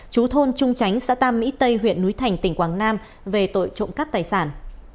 chú thôn trung tránh xã tam mỹ tây huyện núi thành tỉnh quảng nam về tội trộm cắp tài sản